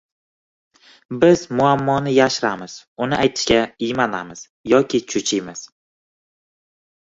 Biz muammoni yashiramiz, uni aytishga iymanamiz yoki cho‘chiymiz.